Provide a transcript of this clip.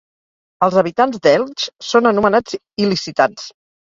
Els habitants d'Elx són anomenats il·licitans.